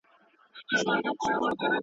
خر په غره کي بوعلي دئ.